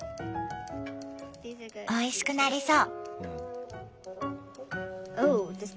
おいしくなりそう！